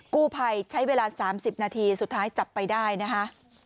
กู้ภัยใช้เวลา๓๐นาทีสุดท้ายจับไปได้นะคะ